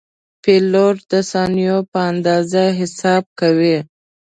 پیلوټ د ثانیو په اندازه حساب کوي.